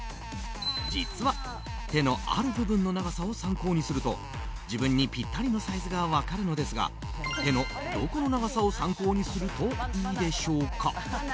実は、手のある部分の長さを参考にすると自分にぴったりのサイズが分かるのですが手のどこの長さを参考にするといいでしょうか。